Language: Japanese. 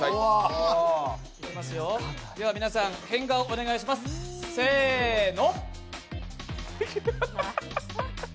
では、皆さん変顔、お願いします、せーの。